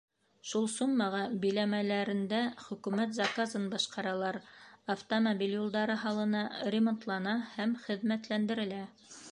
Шул суммаға биләмәләрендә Хөкүмәт заказын башҡаралар — автомобиль юлдары һалына, ремонтлана һәм хеҙмәтләндерелә.